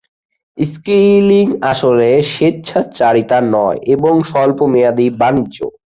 Scaling আসলে স্বেচ্ছাচারিতা নয়, বরং স্বল্পমেয়াদী বাণিজ্য।